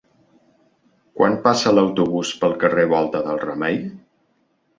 Quan passa l'autobús pel carrer Volta del Remei?